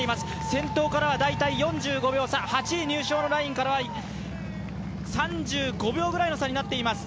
先頭からは大体４５秒差８位入賞のラインからは３５秒ぐらいの差になってきています。